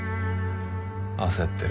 焦っている。